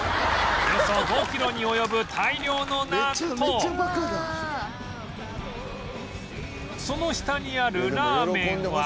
およそ５キロに及ぶその下にあるラーメンは